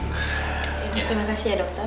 terima kasih ya dokter